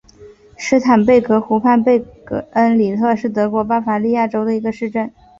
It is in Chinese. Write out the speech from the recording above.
施坦贝格湖畔贝恩里特是德国巴伐利亚州的一个市镇。